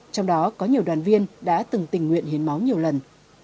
trong đó có nhiều đoàn viên đã từng tình nguyện hiến máu nhiều lần